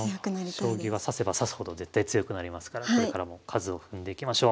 将棋は指せば指すほど絶対強くなりますからこれからも数を踏んでいきましょう。